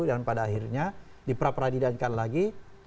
dan pada akhirnya di pra peradilankan lagi